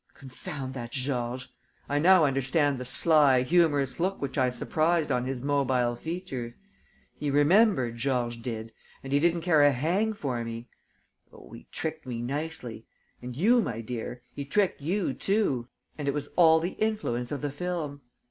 Confound that Georges! I now understand the sly, humorous look which I surprised on his mobile features! He remembered, Georges did, and he didn't care a hang for me! Oh, he tricked me nicely! And you, my dear, he tricked you too! And it was all the influence of the film.